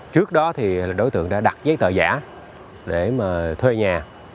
trước đó thì đối tượng đã đặt giấy tờ giả để mà thuê nhà